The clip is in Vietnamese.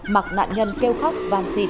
mặc nạn nhân kêu khóc vàng xịt